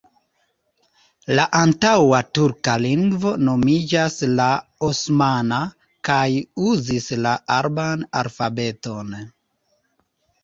La antaŭa turka lingvo nomiĝas la osmana kaj uzis la araban alfabeton.